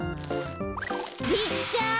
できた！